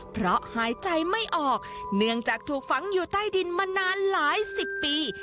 เพราะหายใจไม่ออกเนื่องจากถูกฝังอยู่ใต้ดินมานานหลายสิบปี